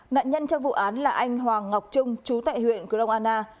nạn nhân trong vụ án là anh hoàng ngọc trung chú tại huyện cư đông anna